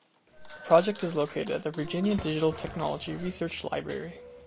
The project is located at the Virginia Digital Technology Research Library